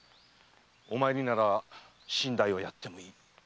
お前になら身代をやってもいい〕